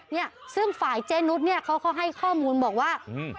เนี่ยซึ่งฝ่ายเจ๊นุสเขาให้ข้อมูลบอกว่า